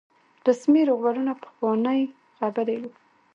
رسمي روغبړونه پخوانۍ خبرې وي.